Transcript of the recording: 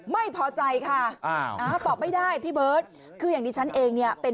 ไม่พอใจค่ะอ่าตอบไม่ได้พี่เบิร์ตคืออย่างนี้ฉันเองเนี่ยเป็น